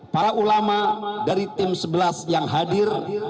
para ulama dari tim sebelas yang hadir